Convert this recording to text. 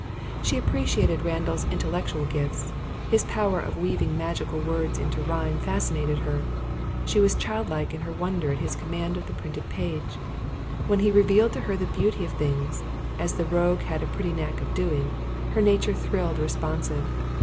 She appreciated Randall's intellectual gifts; his power of weaving magical words into rhyme fascinated her; she was childlike in her wonder at his command of the printed page; when he revealed to her the beauty of things, as the rogue had a pretty knack of doing, her nature thrilled responsive.